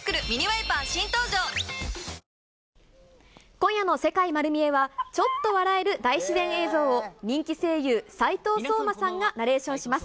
今夜の世界まる見え！は、ちょっと笑える大自然映像を、人気声優、斉藤壮馬さんがナレーションします。